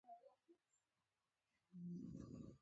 ما ځواب ورکړ: په اورګاډي کي راغلم.